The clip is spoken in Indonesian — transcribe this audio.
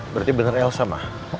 berarti bener elsa mah